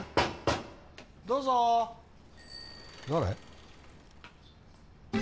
どうぞ誰？